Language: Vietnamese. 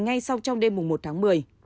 ngay sau trong đêm mùa một tháng một mươi